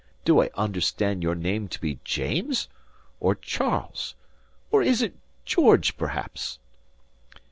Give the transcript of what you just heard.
Do I understand your name to be James? or Charles? or is it George, perhaps?"